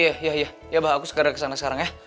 iya iya iya iya abah aku sekarang kesana sekarang ya